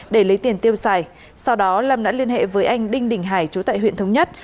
để lấy tiền tiêu xài sau đó lâm đã liên hệ với anh đinh đình hải chú tại huyện thống nhất